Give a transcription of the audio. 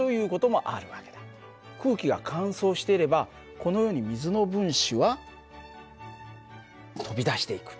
空気が乾燥していればこのように水の分子は飛び出していく。